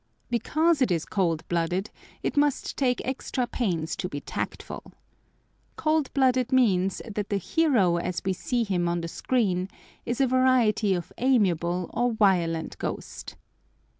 Because it is cold blooded it must take extra pains to be tactful. Cold blooded means that the hero as we see him on the screen is a variety of amiable or violent ghost.